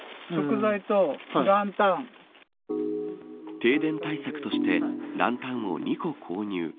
停電対策としてランタンを２個購入。